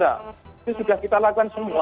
itu sudah kita lakukan semua